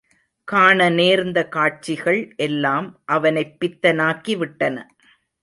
காண நேர்ந்த காட்சிகள் எல்லாம் அவனைப் பித்தனாக்கி விட்டன.